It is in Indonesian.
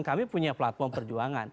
kami punya platform perjuangan